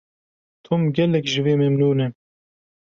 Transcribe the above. Tom gelekî ji vê memnûn e.